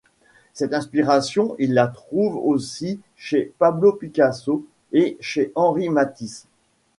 Cette inspiration, il la trouve aussi chez Pablo Picasso et chez Henri Matisse.